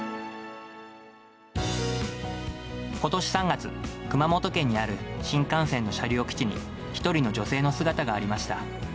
ことし３月、熊本県にある新幹線の車両基地に、１人の女性の姿がありました。